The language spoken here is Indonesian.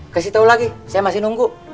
kasih tahu lagi saya masih nunggu